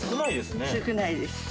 少ないですね。